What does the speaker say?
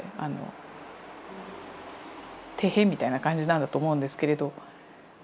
みたいな感じなんだと思うんですけれど。